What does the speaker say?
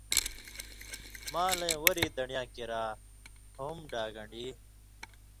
مالَیں وریں دڑی یاں کریا ہُم ڈاگݩڈی